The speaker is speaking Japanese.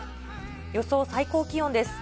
予想最高気温です。